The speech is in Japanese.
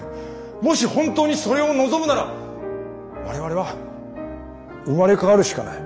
もし本当にそれを望むなら我々は生まれ変わるしかない。